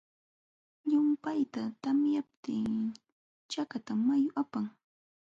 Llumpayta tamyaptin chakatam mayu apan.